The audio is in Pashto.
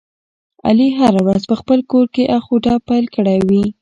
علي هره ورځ په خپل کورکې اخ او ډب پیل کړی وي.